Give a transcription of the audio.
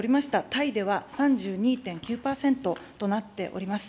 タイでは３２．９％となっております。